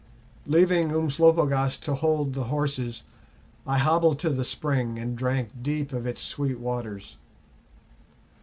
Leaving Umslopogaas to hold the horses, I hobbled to the spring and drank deep of its sweet waters.